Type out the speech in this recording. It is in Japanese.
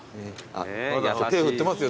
手振ってますよ